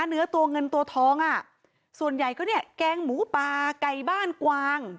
เนื้อตัวเงินตัวทองอ่ะส่วนใหญ่ก็เนี่ยแกงหมูปลาไก่บ้านกวาง